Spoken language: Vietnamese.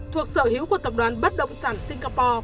thuộc sở hữu của tập đoàn bất động sản singapore